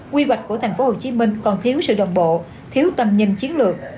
quy hoạch của tp hcm còn thiếu sự đồng bộ thiếu tầm nhìn chiến lược